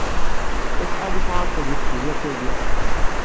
Acḥal i tɛaceḍ di tegzirt-ayi?